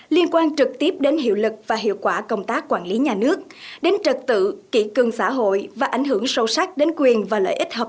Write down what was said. liên quan trực tiếp đến hiệu lực và hiệu quả công tác quản lý nhà nước đến trật tự kỹ cương xã hội và ảnh hưởng sâu sắc đến quyền và lợi